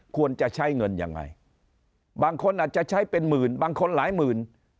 ควรจะใช้เงินยังไงบางคนอาจจะใช้เป็นหมื่นบางคนหลายหมื่น